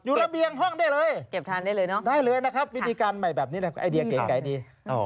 อยู่ระเบียงห้องได้เลยนะครับวิธีการใหม่แบบนี้ไอเดียเก่งดี